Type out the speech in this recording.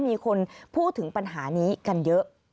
มีคนพูดถึงปัญหานี้กันเยอะ